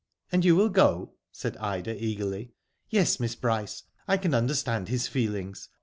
" And you will go ?" said Ida, eagerly. Yes, Miss Bryce. I can understand his feelings.